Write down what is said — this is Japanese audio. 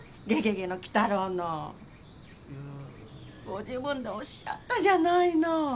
ご自分でおっしゃったじゃないの。